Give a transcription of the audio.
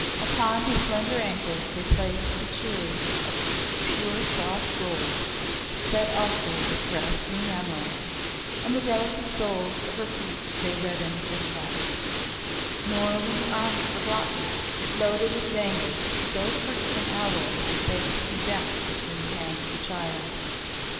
Upon her slender ankles they placed the chooris of pure soft gold, set also with grass green emeralds, and the delicate souls of her feet they reddened with lac. Nor were her arms forgotten, but loaded with bangles so free from alloy that they could be bent between the hands of a child.